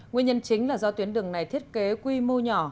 nguyên nhân chính là do tuyến đường này thiết kế quy mô nhỏ